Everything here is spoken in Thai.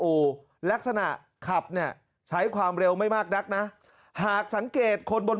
อู่ลักษณะขับเนี่ยใช้ความเร็วไม่มากนักนะหากสังเกตคนบน